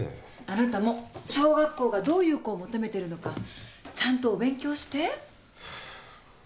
あなたも小学校がどういう子を求めてるのかちゃんとお勉強して。